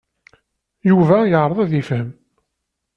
Yuba yeɛreḍ ad yefhem.